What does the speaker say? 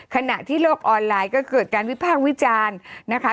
ขณะที่โลกออนไลน์ก็เกิดการวิพากษ์วิจารณ์นะคะ